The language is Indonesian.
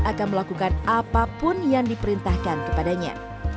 akan melakukan apapun yang diperintahkan kepadanya